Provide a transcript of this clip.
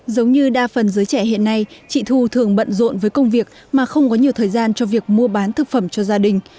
giống như đa phần giới trẻ hiện nay chị thu thường bận rộn với công việc mà không có nhiều thời gian cho việc mua bán thực phẩm cho gia đình